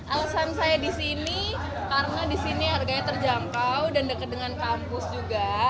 alasan saya disini karena disini harganya terjangkau dan deket dengan kampus juga